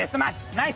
ナイス！